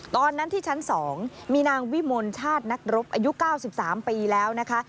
ตอนนั้นที่ชั้น๒มีนางวิมลชาตินักรบอายุ๙๓ปีแล้วนะคะ